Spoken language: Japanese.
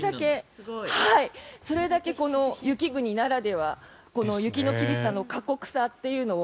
それだけ、雪国ならでは雪の厳しさの過酷さというのを